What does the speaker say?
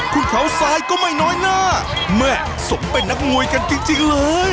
คุณเขาซ้ายก็ไม่น้อยหน้าแม่สมเป็นนักมวยกันจริงเลย